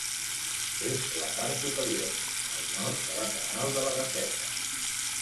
És la part superior, al nord, de la Canal de la Basseta.